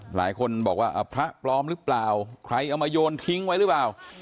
หลายคนบอกว่าพระปลอมหรือเปล่าใครเอามาโยนทิ้งไว้หรือเปล่า